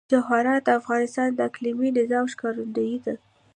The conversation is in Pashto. جواهرات د افغانستان د اقلیمي نظام ښکارندوی ده.